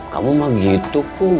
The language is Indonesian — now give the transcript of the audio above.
kamu mah gitu kum